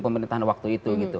pemerintahan waktu itu gitu